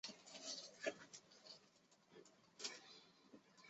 法罗群岛杯是法罗群岛的一项球会淘汰制杯赛的足球赛事。